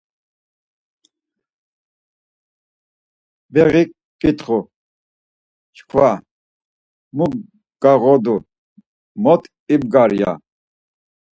Beğik ǩitxu çkva, Mu gağodu, mot ibgar? ya.